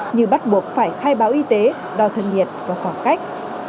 như bắt buộc phải khai báo y tế đo thân nhiệt và khoảng cách